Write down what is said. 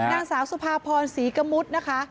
นางสาวสุภาพรศรีกะมุดนะคะ